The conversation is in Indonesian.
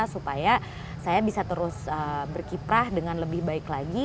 supaya saya bisa terus berkiprah dengan lebih baik lagi